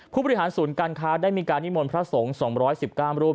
ผู้บริหารศูนย์การค้าได้มีการนิมนต์พระสงฆ์๒๑๙รูป